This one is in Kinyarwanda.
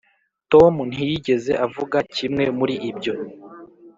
tom ntiyigeze avuga kimwe muri ibyo.